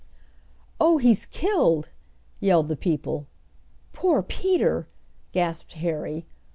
"Oh, he's killed!" yelled the people. "Poor Peter!" gasped Harry.